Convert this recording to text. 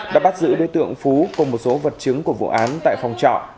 đã bắt giữ đối tượng phú cùng một số vật chứng của vụ án tại phòng trọ